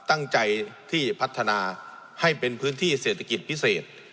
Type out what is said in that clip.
ตั้งใจที่พัฒนาให้เป็นพื้นที่เศรษฐกิจพิเศษ